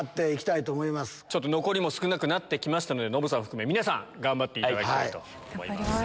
残りも少なくなって来ましたのでノブさんを含め皆さん頑張っていただきたいと思います。